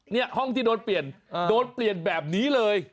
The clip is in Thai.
นี่ห้องที่โดนเปลี่ยนโดนเปลี่ยนแบบนี้เลย